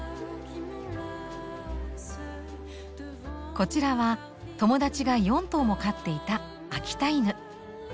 こちらは友だちが４頭も飼っていた秋田犬。